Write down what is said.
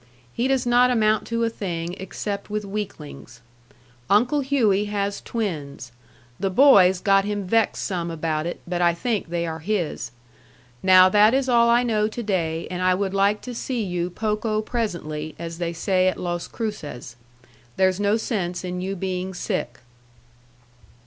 He does not amount to a thing except with weaklings. Uncle Hewie has twins. The boys got him vexed some about it, but I think they are his. Now that is all I know to day and I would like to see you poco presently as they say at Los Cruces. There's no sense in you being sick."